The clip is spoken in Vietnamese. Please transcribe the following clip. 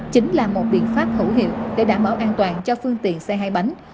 chính là một biện pháp hữu hiệu để đảm bảo an toàn cho phương tiện xe hai bánh